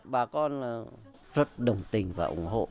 bà con là